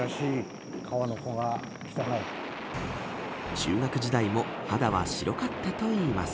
中学時代も肌は白かったといいます。